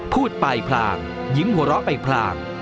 พูดไปพลางยิ้มหัวเราะไปพลาง